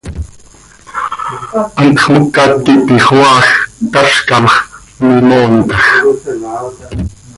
Hantx mocat quih tixoaaj, tazcam x, mimoontaj.